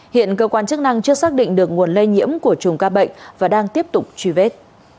hiện cơ quan chức năng chưa xác định được nguồn lây nhiễm của chùm ca bệnh và đang tiếp tục truy vết